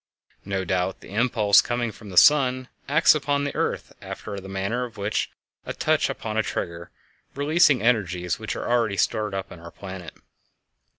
No doubt the impulse coming from the sun acts upon the earth after the manner of a touch upon a trigger, releasing energies which are already stored up in our planet.